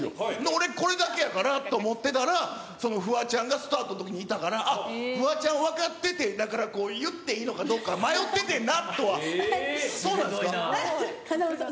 俺、これだけやからと思ってたら、そのフワちゃんがスタートのときにいたから、あっ、フワちゃん分かってて、だから、言っていいのかどうか迷っててんなっていうのは。